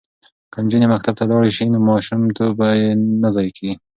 که نجونې مکتب ته لاړې شي نو ماشوم توب به یې نه ضایع کیږي.